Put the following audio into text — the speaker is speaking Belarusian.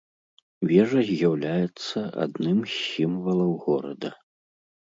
Вежа з'яўляецца адным з сімвалаў горада.